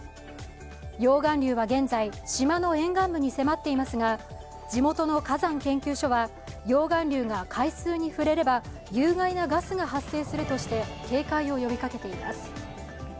溶岩流は現在島の沿岸部に迫っていますが地元の火山研究所は溶岩流が海水に触れれば有害なガスが発生するとして警戒を呼びかけています。